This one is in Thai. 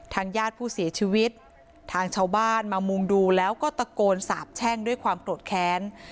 ญาติผู้เสียชีวิตทางชาวบ้านมามุงดูแล้วก็ตะโกนสาบแช่งด้วยความโกรธแค้น